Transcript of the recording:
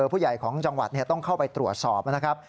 ผู้ใหญ่ของจังหวัดต้องเข้าไปตรวจสอบนะครับ